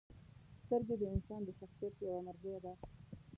• سترګې د انسان د شخصیت یوه مرجع ده.